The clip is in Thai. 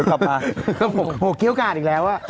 กระบ๋องเกี่ยวกาลอีกแล้วอะ